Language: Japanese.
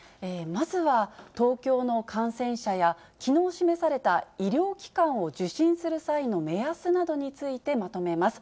まずは、東京の感染者や、きのう示された医療機関を受診する際の目安などについてまとめます。